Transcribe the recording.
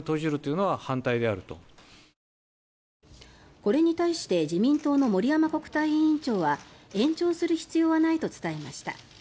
これに対して自民党の森山国対委員長は延長する必要はないと伝えました。